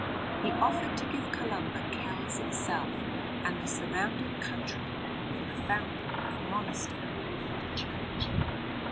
He offered to give Columba Kells itself and the surrounding country for the founding of a monastery and a church.